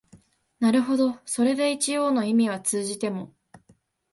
なるほどそれで一応の意味は通じても、